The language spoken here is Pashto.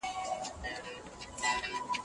ثانیه د بي بي سي سره د ژوند په اړه خبرې کړې.